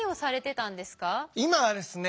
今はですね